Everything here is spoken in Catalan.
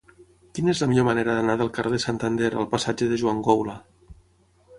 Quina és la millor manera d'anar del carrer de Santander al passatge de Joan Goula?